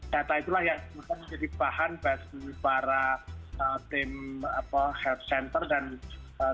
dan data itulah yang menjadi bahan bagi para tim health center dan tim kode